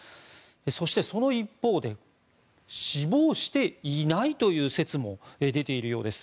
そして、その一方で死亡していないという説も出ているようです。